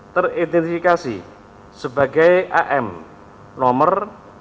teridentifikasi sebagai am nomor